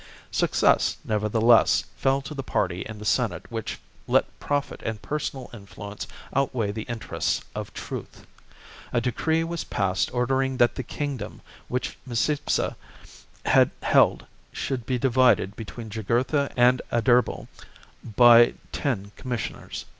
Success, nevertheless, fell to the party in the Senate which let profit and personal influence outweigh the interests of truth. A decree was passed ordering that the king dom which Micipsa had held should be divided between Jugurtha and Adherbal by ten commis sioners.